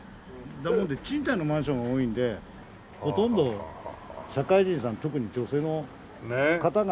だもんで賃貸のマンションが多いんでほとんど社会人さん特に女性の方が。